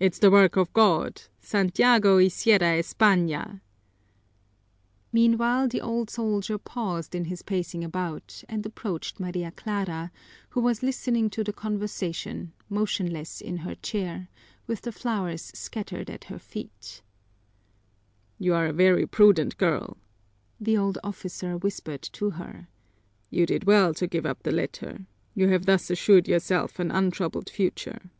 "It's the work of God! Santiago y cierra España!" Meanwhile the old soldier paused in his pacing about and approached Maria Clara, who was listening to the conversation, motionless in her chair, with the flowers scattered at her feet. "You are a very prudent girl," the old officer whispered to her. "You did well to give up the letter. You have thus assured yourself an untroubled future."